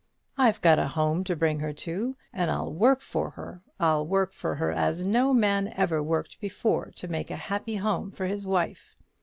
I've got a home to bring her to, and I'll work for her I'll work for her as no man ever worked before to make a happy home for his wife."